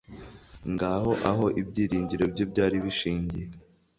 ngaho aho ibyiringiro bye byari bishingiye.